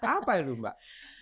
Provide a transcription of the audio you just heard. apa itu mbak